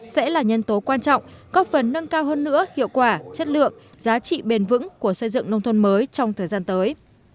sẽ là nhân tố quan trọng góp phần nâng cao hơn nữa hiệu quả chất lượng giá trị bền vững của xây dựng nông thôn mới trong thời gian tới